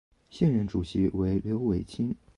现任主席为刘伟清。